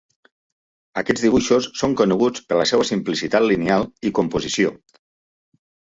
Aquests dibuixos són coneguts per la seua simplicitat lineal i composició.